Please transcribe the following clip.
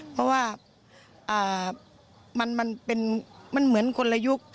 เพราะว่ามันเหมือนคนละยุค